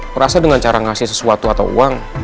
merasa dengan cara ngasih sesuatu atau uang